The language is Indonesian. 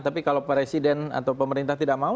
tapi kalau presiden atau pemerintah tidak mau